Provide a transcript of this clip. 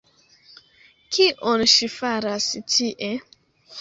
Kion ŝi faras tie?